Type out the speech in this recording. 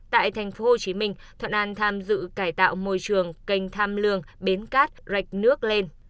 tại thành phố hồ chí minh thoạn an tham dự cải tạo môi trường kênh tham lương bến cát rạch nước lên